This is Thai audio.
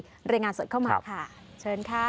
รายงานสดเข้ามาค่ะเชิญค่ะ